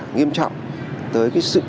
nghiêm trọng tới cái sự